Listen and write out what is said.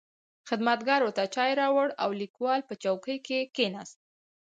خدمتګار ورته چای راوړ او لیکوال په چوکۍ کې کښېناست.